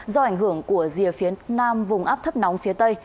do ảnh hưởng của rìa phía nam vùng áp thấp nóng phía tây